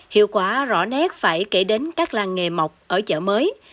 hiệu quả rõ nét phải kể đến các làng nghề mọc ở chợ mới